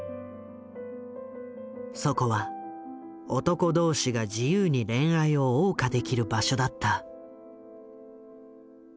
そこは男同士が自由に恋愛を謳歌できる場所だった。